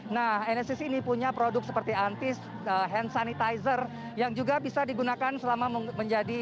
nah enesis ini punya produk seperti antis hand sanitizer yang juga bisa digunakan selama menjadi